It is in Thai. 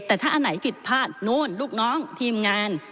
แต่ถ้าอันไหนผิดพลาดนู้นลูกน้องทีมงาน